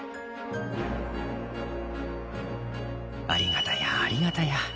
ありがたやありがたや。